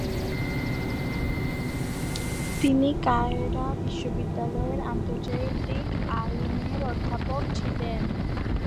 তিনি কায়রো বিশ্ববিদ্যালয়ের আন্তর্জাতিক আইন এর অধ্যাপক ছিলেন।